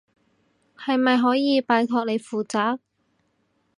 係咪可以拜託你負責？